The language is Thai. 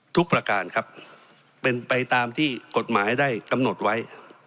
ประการครับเป็นไปตามที่กฎหมายได้กำหนดไว้